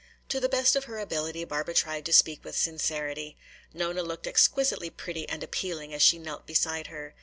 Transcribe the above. To the best of her ability Barbara tried to speak with sincerity. Nona looked exquisitely pretty and appealing as she knelt beside her.